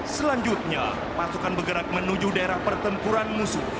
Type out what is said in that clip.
selanjutnya pasukan bergerak menuju daerah pertempuran musuh